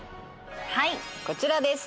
はいこちらです